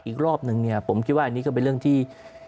อีกรอบนึงเนี่ยผมคิดว่าอันนี้ก็เป็นเรื่องที่